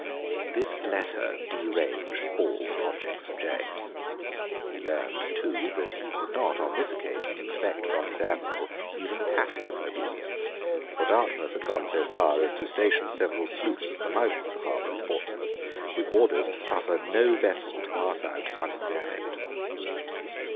This letter deranged all the projects of James. He learned too that he could not on this occasion expect from his Admiral even passive obedience. For Dartmouth had gone so far as to station several sloops at the mouth of the harbour of Portsmouth with orders to suffer no vessel to pass out unexamined.